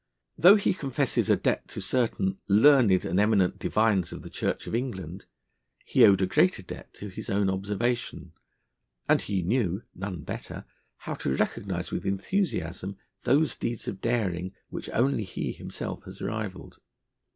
Though he confesses a debt to certain 'learned and eminent divines of the Church of England,' he owed a greater debt to his own observation, and he knew none better how to recognise with enthusiasm those deeds of daring which only himself has rivalled.